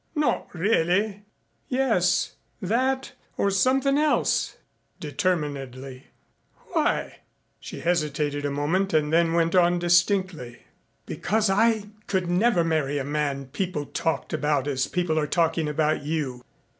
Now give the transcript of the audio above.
Not really!" "Yes, that or something else," determinedly. "Why?" She hesitated a moment and then went on distinctly. "Because I could never marry a man people talked about as people are talking about you."